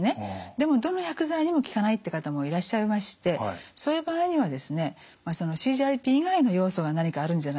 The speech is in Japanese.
でもどの薬剤にも効かないって方もいらっしゃいましてそういう場合にはですねＣＧＲＰ以外の要素が何かあるんじゃないかってことですね。